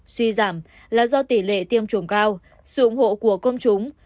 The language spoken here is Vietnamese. suy giảm là do tỷ lệ tiêm chủng cao sự ủng hộ của công chúng